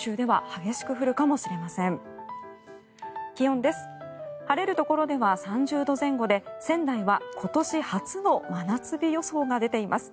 晴れるところでは３０度前後で仙台は今年初の真夏日予想が出ています。